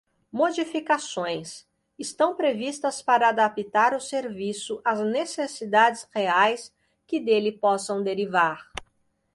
Modificações: estão previstas para adaptar o serviço às necessidades reais que dele possam derivar.